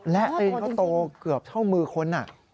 และตีนเขาโตเกือบเท่ามือคน